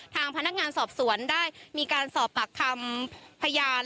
ทางพนักงานสอบสวนได้มีการสอบปากคำพยาน